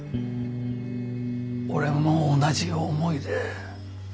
俺も同じ思いで。